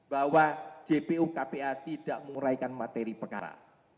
bahwa jpu kpa tidak menguraikan materi pekara